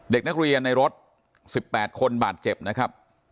เด็กนักเรียนในรถ๑๘คนบาดเจ็บนะครับ